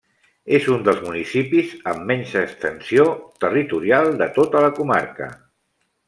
És un dels municipis amb menys extensió territorial de tota la comarca.